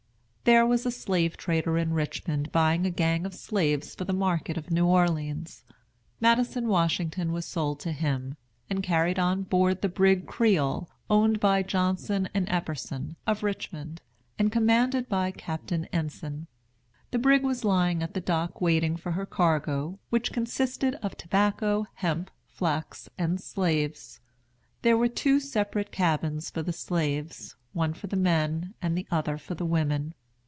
There was a slave trader in Richmond buying a gang of slaves for the market of New Orleans. Madison Washington was sold to him, and carried on board the brig Creole, owned by Johnson and Eperson, of Richmond, and commanded by Captain Enson. The brig was lying at the dock waiting for her cargo, which consisted of tobacco, hemp, flax, and slaves. There were two separate cabins for the slaves: one for the men and the other for the women.